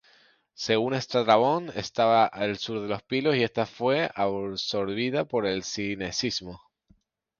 Según Estrabón, estaba al sur de Pilos, y que esta fue absorbida por sinecismo.